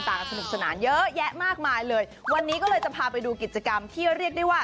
คุณจะข่าวเลี่ยงกิจกรรมของเรา